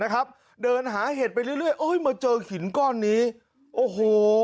เขาคือนี้เนี่ย